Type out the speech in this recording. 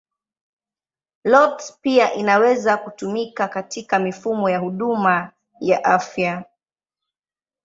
IoT pia inaweza kutumika katika mifumo ya huduma ya afya.